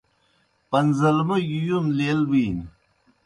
پَن٘زلمَوْگیْ یُون لیل بِینیْ۔